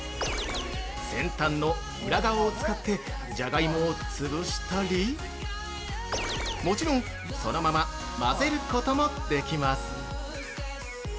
先端の裏側を使ってじゃがいもを潰したり、もちろんそのまま混ぜることもできます。